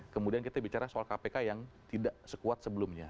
kemudian kita bicara soal kpk yang tidak sekuat sebelumnya